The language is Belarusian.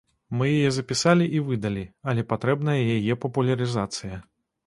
Мы яе запісалі і выдалі, але патрэбная яе папулярызацыя.